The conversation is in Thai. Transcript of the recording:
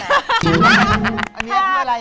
อันนี้คืออะไรอะค่ะเนี่ย